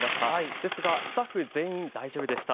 ですがスタッフ全員、大丈夫でした。